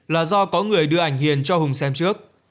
là do có người đưa ảnh hiền cho hùng xem trước